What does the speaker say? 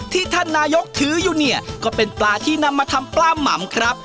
ที่ท่านนายกถืออยู่เนี่ยก็เป็นปลาที่นำมาทำปลาหม่ำครับ